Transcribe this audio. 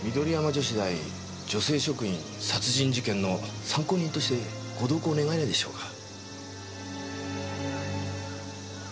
女子大女性職員殺人事件の参考人としてご同行願えないでしょうか？